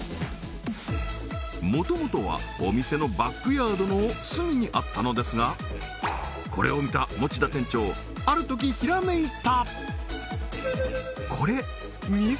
もともとはお店のバックヤードの隅にあったのですがこれを見た持田店長あるときひらめいた！